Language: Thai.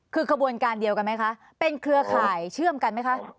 คือขบวนการเดียวกันไหมคะเป็นเครือข่ายเชื่อมกันไหมคะ